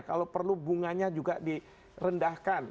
kalau perlu bunganya juga direndahkan